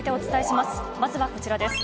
まずはこちらです。